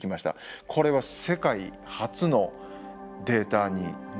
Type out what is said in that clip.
これは世界初のデータになります。